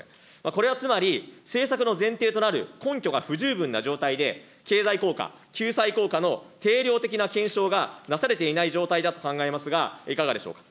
これはつまり、政策の前提となる根拠が不十分な状態で、経済効果、救済効果の定量的な検証がなされていない状態だと考えますが、いかがでしょうか。